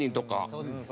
そうですよね。